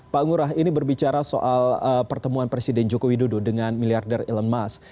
pak ngurah ini berbicara soal pertemuan presiden joko widodo dengan miliarder elon musk